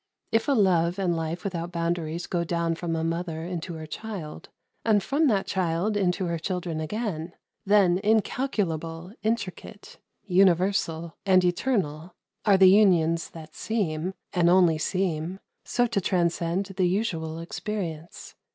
If a love and life without boundaries go down from a mother into her child, and from that child into her children again, then incalculable, intricate, universal, and eternal are the unions that seem and only seem so to transcend the usual experience.